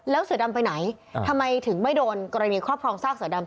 แล้วเสือดำไปไหนทำไมถึงไม่โดนกรณีครอบครองซากเสือดำ